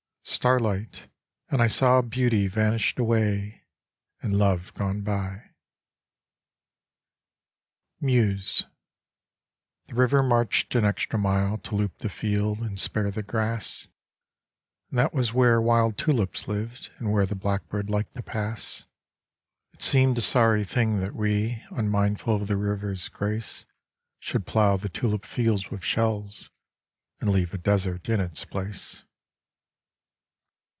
Starlight, and I Saw beauty vanished away And love gone by. Meuse The river marched an extra mile To loop the field and spare the grass, And that was where wild tulips lived And where the blackbird liked to pass. 39 Meuse It seemed a sorry thing that we Unmindful of the river's grace Should plow the tulip field with shells And leave a desert in its place.